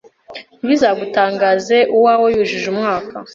Ntibizagutangaze uwawe yujuje umwaka